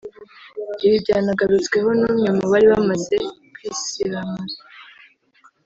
Ibi byanagarutsweho n’umwe mu bari bamaze kwisiramuza